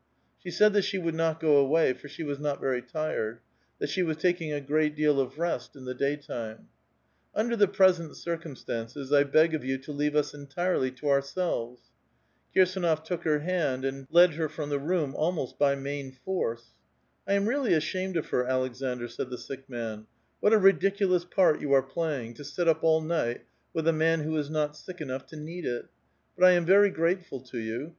She said that she would not go away, for she was not very tired ; that she was taking a great deal of rest in the daytime :—Under the present circumstances, 1 bog of you to leave us entirely to ourselves." Kirsdnof took her hand and led her from the room, almost by main force. *' I am really ashamed of her, Aleksandr," said the sick man ;'' what a ridiculous part you are playing, to sit up all night with a man who is not sick enough to nood it. But I am very grateful to you.